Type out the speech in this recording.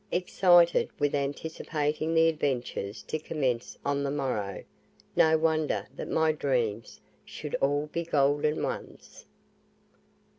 Excited with anticipating the adventures to commence on the morrow, no wonder that my dreams should all be GOLDEN ones.